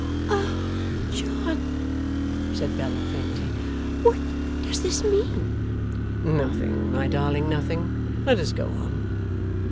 'O John!' said Bella, faintly. 'What does this mean?' 'Nothing, my darling, nothing. Let us go on.